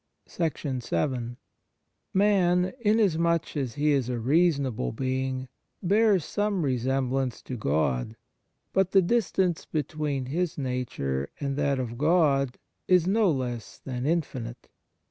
vii MAN, inasmuch as he is a reasonable being, bears some resemblance to , but the distance between his nature and that of God is no less than infinite.